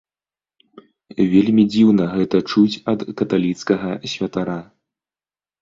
Вельмі дзіўна гэта чуць ад каталіцкага святара.